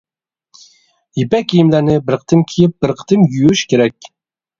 يىپەك كىيىملەرنى بىر قېتىم كىيىپ بىر قېتىم يۇيۇش كېرەك.